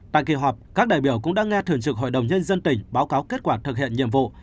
tại kỳ họp các đại biểu cũng đã nghe thường trực hội đồng nhân dân tỉnh báo cáo kết quả thực hiện nhiệm vụ